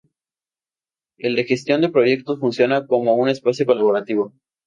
El de gestión de proyectos funciona como un espacio colaborativo.